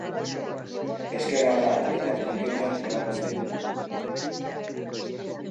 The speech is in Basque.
Ezkerra da, eta trinketean trebatu zen.